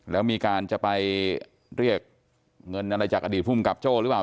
แล้วมีการจะไปเรียกเงินอะไรจากอดีตภูมิกับโจ้หรือเปล่า